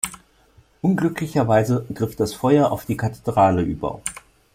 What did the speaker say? Unglücklicherweise griff das Feuer auf die Kathedrale über.